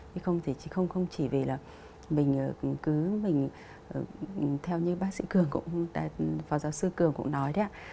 thì không thì không không chỉ vì là mình cứ mình theo như bác sĩ cường cũng phó giáo sư cường cũng nói đấy ạ